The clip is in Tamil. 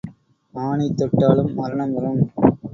ஆனை தொட்டாலும் மரணம் வரும்.